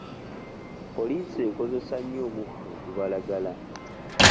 Poliisi ekozesa nnyo omukka ogubalagala.